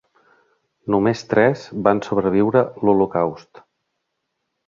Només tres van sobreviure l'holocaust.